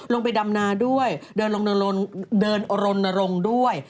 ลงไปดำนาด้วยเดินลงด้วย